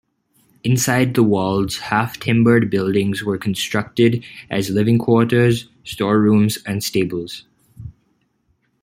Inside the walls half-timbered buildings were constructed as living quarters, store rooms, and stables.